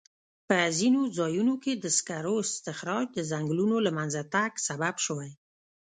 په ځینو ځایونو کې د سکرو استخراج د ځنګلونو له منځه تګ سبب شوی.